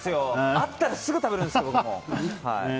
あったらすぐ食べるんですけど僕も。